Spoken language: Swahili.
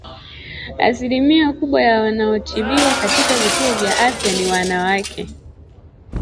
asilimia kubwa ya wanaotibiwa katika vituo vya afya ni wanawake